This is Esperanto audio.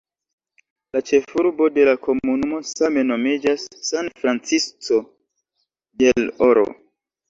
La ĉefurbo de la komunumo same nomiĝas "San Francisco del Oro".